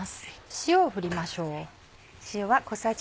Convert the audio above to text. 塩を振りましょう。